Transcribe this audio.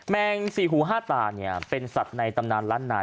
แมงสี่หูห้าตาเนี่ยเป็นสัตว์ในตำนานล้านนาย